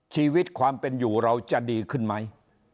ชีวิตความเป็นอยู่เราจะดีขึ้นไหม